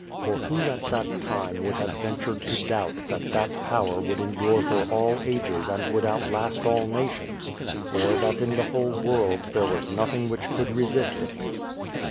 For who at that time would have ventured to doubt that that power would endure for all ages and would outlast all nations, or that in the whole world there was nothing which could resist it?